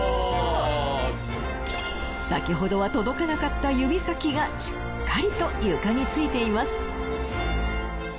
先ほどは届かなかった指先がしっかりと床についています。